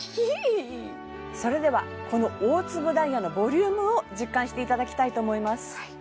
それではこの大粒ダイヤのボリュームを実感していただきたいと思います